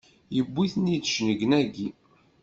Yewwi-ten-id cennegnagi!